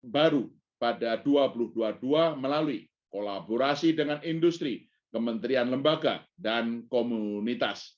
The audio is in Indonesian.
baru pada dua ribu dua puluh dua melalui kolaborasi dengan industri kementerian lembaga dan komunitas